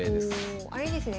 あれですね